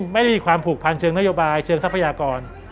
ไม่ได้มีความผูกพันเชิงนโยบายเชิงทรัพยากร